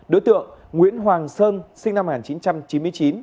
đối tượng nguyễn hoàng sơn sinh năm một nghìn chín trăm chín mươi chín